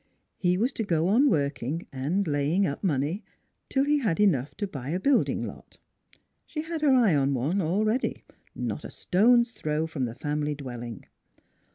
He was to go on working and laying up money till he had enough to buy a building lot. She had her eye on one, already, not a stone's throw from the family dwelling.